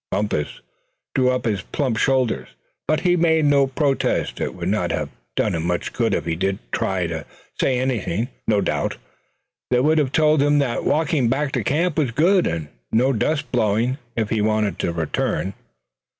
Bumpus drew up his plump shoulders, but he made no protest. It would not have done him much good if he did try to say anything. No doubt they would have told him that the walking back to camp was good, and no dust blowing, if he wanted to return.